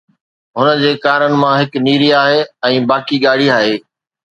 هن جي ڪارن مان هڪ نيري آهي ۽ باقي ڳاڙهي آهي